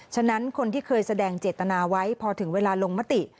ฉะนั้นคนที่เคยแสดงเจตนาไว้พอถึงเวลาลงมติ